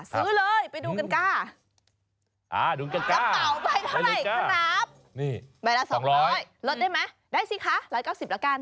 ซื้อเลยไปดูกันกล้าจับเตาไปเท่าไหร่ขนาดแบบ๒๐๐ลดได้ไหมได้สิคะ๑๙๐ละกัน